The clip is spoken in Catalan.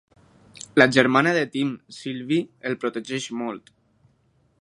La germana de Tim, Sylvie, el protegeix molt.